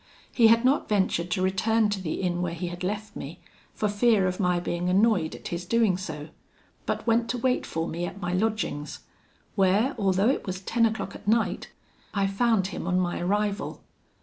He had not ventured to return to the inn where he had left me, for fear of my being annoyed at his doing so; but went to wait for me at my lodgings, where, although it was ten o'clock at night, I found him on my arrival.